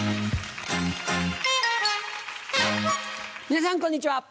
皆さんこんにちは。